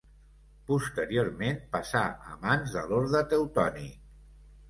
Posteriorment, passà a mans de l’Orde Teutònic.